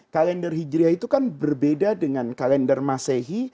kalender hijriah itu kan berbeda dengan kalender masehi